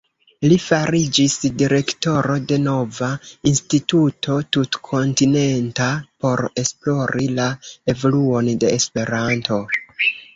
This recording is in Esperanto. Li fariĝis direktoro de nova instituto tutkontinenta, por esplori la evoluon de Esperanto.